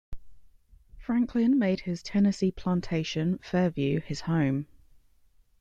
Franklin made his Tennessee plantation, "Fairvue," his home.